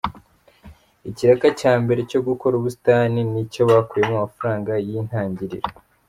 Ikiraka cya mbere cyo gukora ubusitani nicyo bakuyemo amafaranga y’intangiriro.